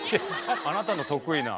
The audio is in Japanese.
あなたの得意な。